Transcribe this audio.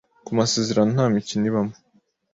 ku masezerano ntamikino ibamo